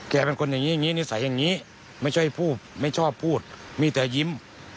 เป็นคนอย่างนี้อย่างนี้นิสัยอย่างนี้ไม่ใช่พูดไม่ชอบพูดมีแต่ยิ้ม